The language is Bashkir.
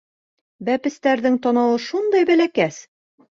Бәпестәрҙең танауы шундай бәләкәс!